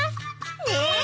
ねえ。